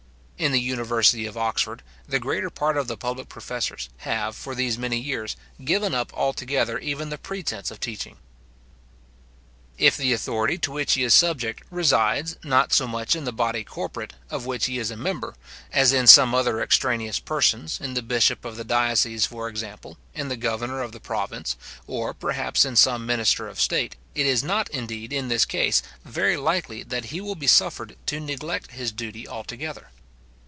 In the university of Oxford, the greater part of the public professors have, for these many years, given up altogether even the pretence of teaching. If the authority to which he is subject resides, not so much in the body corporate, of which he is a member, as in some other extraneous persons, in the bishop of the diocese, for example, in the governor of the province, or, perhaps, in some minister of state, it is not, indeed, in this case, very likely that he will be suffered to neglect his duty altogether.